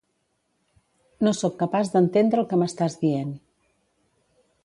No soc capaç d'entendre el que m'estàs dient.